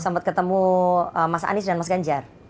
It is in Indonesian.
sempat ketemu mas anies dan mas ganjar